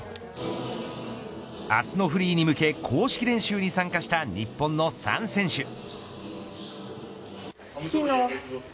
明日のフリーに向け公式練習に参加した日本の３選手。